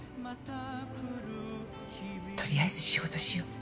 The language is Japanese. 取りあえず仕事しよう。